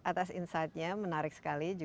atas insight nya menarik sekali